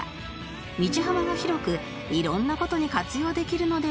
道幅が広く色んな事に活用できるのでは？